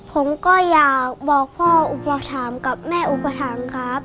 ผมก็อยากบอกพ่ออุปถันกับแม่อุปถันครับ